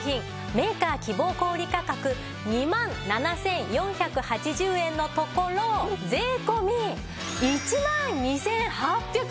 メーカー希望小売価格２万７４８０円のところ税込１万２８００円です。